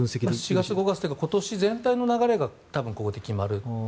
４月、５月というか今年全体の流れがここで決まる。